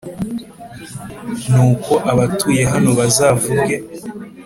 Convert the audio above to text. Nuko abatuye hano bazavuge